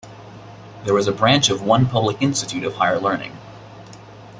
There was a branch of one public institute of higher learning.